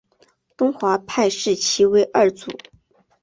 龙华派视其为二祖。